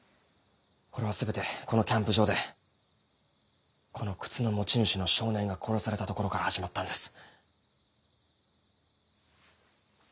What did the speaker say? これは全てこのキャンプ場でこの靴の持ち主の少年が殺されたところから始まったんです。